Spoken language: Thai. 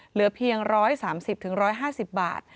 เหลือเพียง๑๓๐๑๕๐บาท